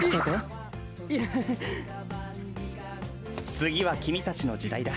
次は君たちの時代だ。